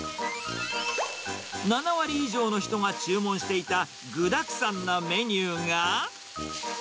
７割以上の人が注文していた具だくさんなメニューが。